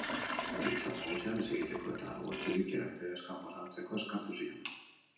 Biltzar Nagusia desegiteko eta boltxebikeak legez kanpo ezartzeko eskatu zion.